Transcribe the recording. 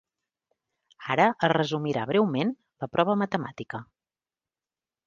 Ara es resumirà breument la prova matemàtica.